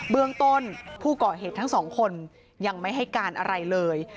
เรื่องต้นผู้ก่อเหตุทั้งสองคนยังไม่ให้การอะไรเลย